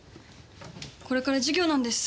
これから授業なんです。